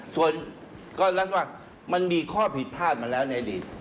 ส่วนก็รับว่ามันมีข้อผิดพลาดมาแล้วในอดีต